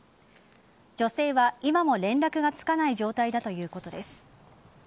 女性は今も、連絡がつかない状態だということです。